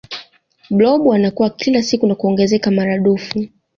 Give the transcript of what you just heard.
blob anakua kila siku na kuongezeka maradufu